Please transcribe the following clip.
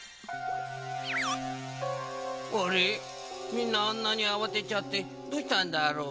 みんなあんなにあわてちゃってどうしたんだろう？